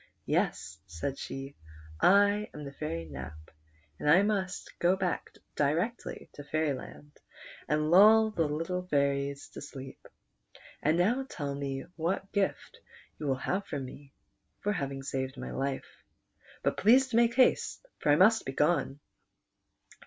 " Yes," said she, " I am the Fairy Nap, and I must go back directly to Fairyland and lull the young fairies to sleep ; and now tell me what gift you will have from me for having saved my life. But please to make haste, for I must be gone."